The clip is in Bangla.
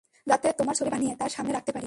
যাতে তোমার ছবি বানিয়ে, তার সামনে রাখতে পারি।